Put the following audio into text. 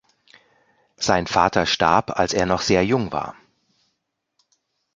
Sein Vater starb, als er noch sehr jung war.